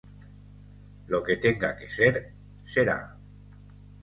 Lo que tenga que ser, será